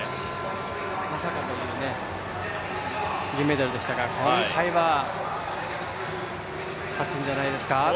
まさかという銀メダルでしたが、今回は勝つんじゃないですか。